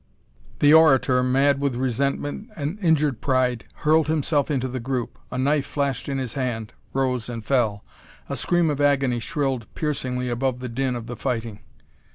The orator, mad with resentment and injured pride, hurled himself into the group. A knife flashed in his hand; rose and fell. A scream of agony shrilled piercingly above the din of the fighting.